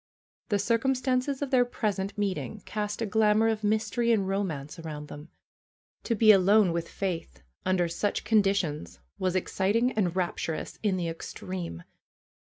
The circumstances of their present meeting cast a glamor of mystery and romance around them. To be alone with Faith under such conditions was ex citing and rapturous in the extreme.